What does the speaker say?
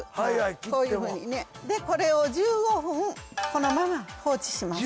こういうふうにねこれを１５分このまま放置します